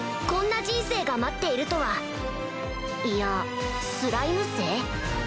こんな人生が待っているとはいやスライム生？